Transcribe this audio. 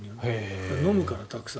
飲むから、たくさん。